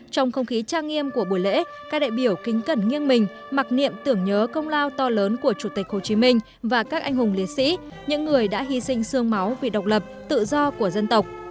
trong không khí trang nghiêm của buổi lễ các đại biểu kính cẩn nghiêng mình mặc niệm tưởng nhớ công lao to lớn của chủ tịch hồ chí minh và các anh hùng liệt sĩ những người đã hy sinh sương máu vì độc lập tự do của dân tộc